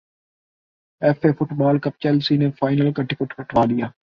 F A football cup Chelsea نے final کا ticket کٹوا لیا